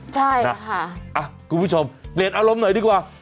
ใช่ค่ะคุณผู้ชมเปลี่ยนอารมณ์หน่อยดีกว่า